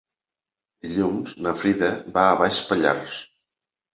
Dilluns na Frida va a Baix Pallars.